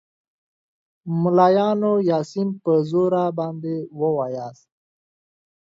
ملایانو یاسین په زوره باندې ووایاست.